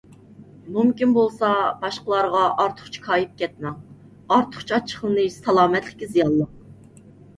مۇمكىن بولسا باشقىلارغا ئارتۇقچە كايىپ كەتمەڭ. ئارتۇقچە ئاچچىقلىنىش سالامەتلىككە زىيانلىق.